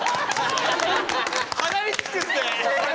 はなにつくって。